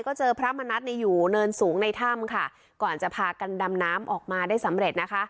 ก็เจอพระมณัฐเนี่ยอยู่เนินสูงในถ้ำค่ะก่อนจะพากันดำน้ำออกมาได้สำเร็จนะคะ